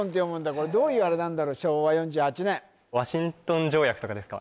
これどういうあれなんだろ昭和４８年ワシントン条約とかですか？